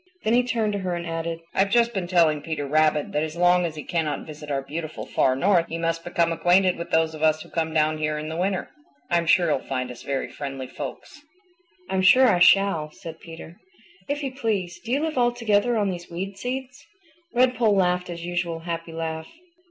Then he turned to her and added, "I've just been telling Peter Rabbit that as long as he cannot visit our beautiful Far North he must become acquainted with those of us who come down here in the winter. I'm sure he'll find us very friendly folks." "I'm sure I shall," said Peter. "If you please, do you live altogether on these weed seeds?" Redpoll laughed his usual happy laugh.